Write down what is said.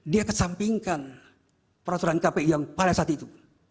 dia kesampingkan peraturan kpu yang pada saat itu